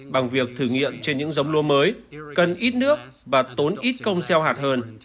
bằng việc thử nghiệm trên những giống lúa mới cân ít nước và tốn ít công seo hạt hơn